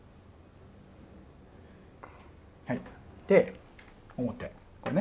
はいで表これね。